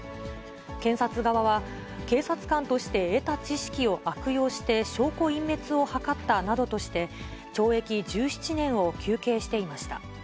検察側は、警察官として得た知識を悪用して証拠隠滅を図ったなどとして、懲役１７年を求刑していました。